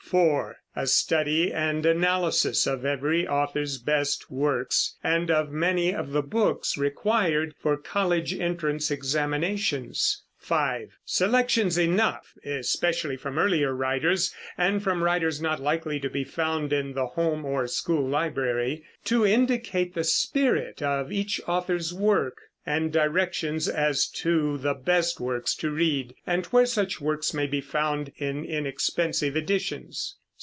(4) A study and analysis of every author's best works, and of many of the books required for college entrance examinations. (5) Selections enough especially from earlier writers, and from writers not likely to be found in the home or school library to indicate the spirit of each author's work; and directions as to the best works to read, and where such works may be found in inexpensive editions.